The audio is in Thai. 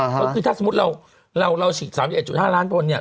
ก็คือถ้าสมมุติเราฉีด๓๑๕ล้านคนเนี่ย